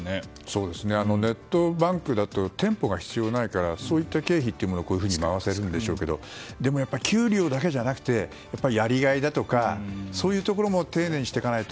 ネットバンクだと店舗が必要ないからそういった経費というのがこういうふうに回せるんでしょうけどもでも、給料だけじゃなくてやりがいだとかそういうところも丁寧にしていかないと。